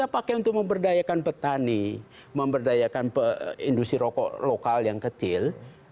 kita pakai untuk memberdayakan petani memberdayakan industri rokok lokal yang kecil